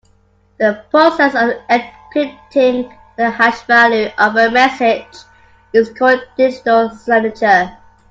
The process of encrypting the hash value of a message is called digital signature.